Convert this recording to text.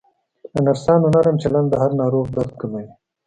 د نرسانو نرم چلند د هر ناروغ درد کموي.